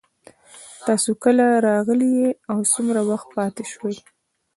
تاسو کله راغلئ او څومره وخت پاتې شوئ